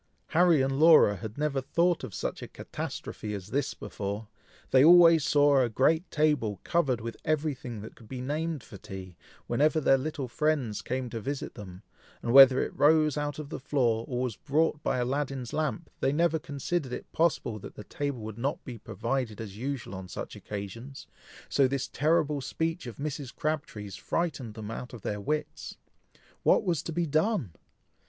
Harry and Laura had never thought of such a catastrophe as this before; they always saw a great table covered with every thing that could be named for tea, whenever their little friends came to visit them, and whether it rose out of the floor, or was brought by Aladdin's lamp, they never considered it possible that the table would not be provided as usual on such occasions, so this terrible speech of Mrs. Crabtree's frightened them out of their wits. What was to be done!